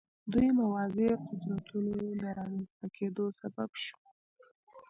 دوه موازي قدرتونو د رامنځته کېدو سبب شو.